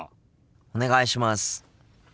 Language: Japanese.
お願いします。